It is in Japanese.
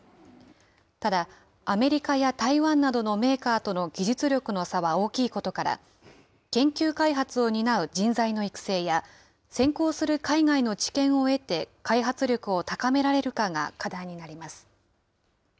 ただ、アメリカや台湾などのメーカーとの技術力の差は大きいことから、研究開発を担う人材の育成や、先行する海外の知見を得て開発力を高められるかが課題になります。